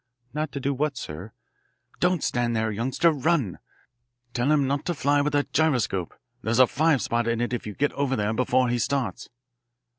"Not to do what, sir?" "Don't stand there, youngster. Run! Tell him not to fly with that gyroscope. There's a five spot in it if you get over there before he starts."